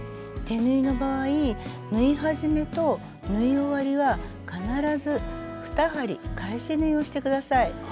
手縫いの場合縫い始めと縫い終わりは必ず２針返し縫いをして下さい。